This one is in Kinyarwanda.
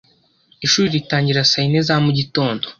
Ishuri ritangira saa yine za mugitondo